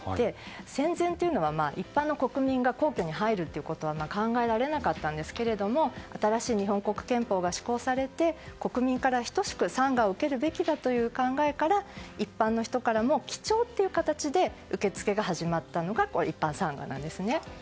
戦前というのは一般の国民が皇居に入ることは考えられなかったんですけれども新しい日本国憲法が施行されて、国民から等しく参賀を受けるべきだという考えから、一般の人からも記帳という形で受け付けが始まったのが一般参賀なんですね。